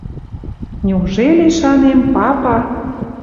Неужели, шанем, папа